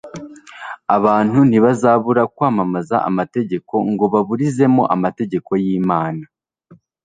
Abantu ntibazabura kwamamaza amategeko ngo baburizemo amategeko y'Imana.